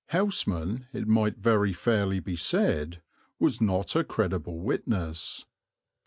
Houseman, it might very fairly be said, was not a credible witness.